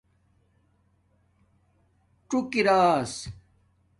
څݸک اراس